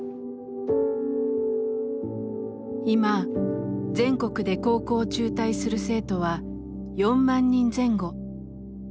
今全国で高校を中退する生徒は４万人前後。